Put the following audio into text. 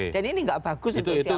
jadi ini nggak bagus itu siapa pun